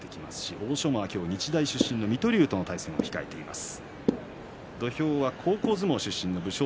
欧勝馬は日大出身の水戸龍との対戦を控えています。